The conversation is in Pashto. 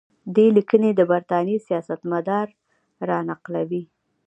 دې لیکنې د برټانیې سیاستمدار را نقلوي.